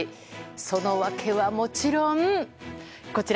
その訳は、もちろんこちら。